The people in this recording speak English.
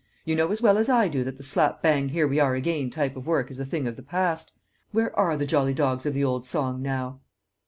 You know as well as I do that the slap bang here we are again type of work is a thing of the past. Where are the jolly dogs of the old song now?"